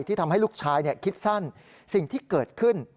ทำให้ลูกชายคิดสั้นสิ่งที่เกิดขึ้น